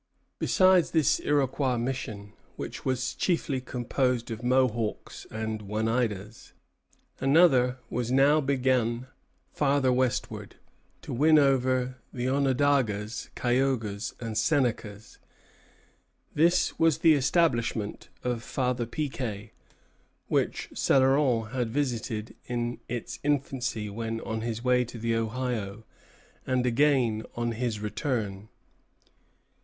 Besides this Iroquois mission, which was chiefly composed of Mohawks and Oneidas, another was now begun farther westward, to win over the Onondagas, Cayugas, and Senecas. This was the establishment of Father Piquet, which Céloron had visited in its infancy when on his way to the Ohio, and again on his return.